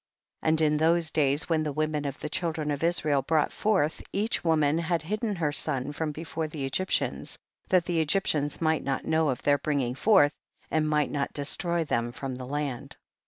8. And in those days, when the women of the children of Israel brought forth, each woman had hid den her son from before the Egyp tians, that the Egyptians might not know of their bringing forth, and might not destroy them from the land.